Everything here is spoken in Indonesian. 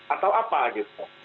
atau apa gitu